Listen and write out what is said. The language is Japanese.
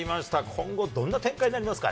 今後、どんな展開になりますか。